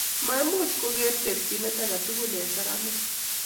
maimuch koger terchinet aketugul eng saramek